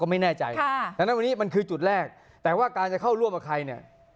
ไม่แน่ใจดังนั้นวันนี้มันคือจุดแรกแต่ว่าการจะเข้าร่วมกับใครเนี่ย